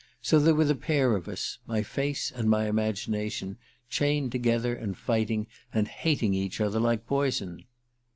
So there were the pair of us my face and my imagination chained together, and fighting, and hating each other like poison.